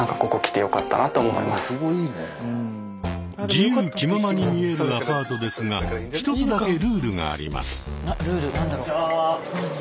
自由気ままに見えるアパートですが１つだけルールがあります。